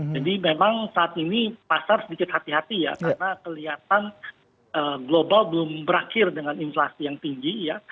memang saat ini pasar sedikit hati hati ya karena kelihatan global belum berakhir dengan inflasi yang tinggi ya